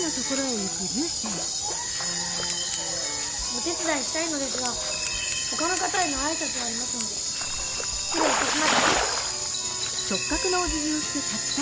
お手つだいしたいのですがほかの方へのあいさつがありますのでしつれいいたします。